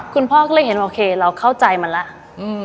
คุณพ่อก็เลยเห็นโอเคเราเข้าใจมันแล้ว